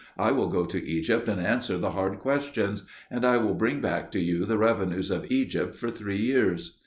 I will go to Egypt and answer the hard questions; and I will bring back to you the revenues of Egypt for three years."